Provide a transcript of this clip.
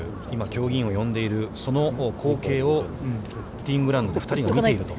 競技委員を呼んでいる、この光景を、ティーグラウンドで２人が見ていると。